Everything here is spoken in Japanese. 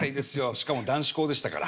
しかも男子校でしたから。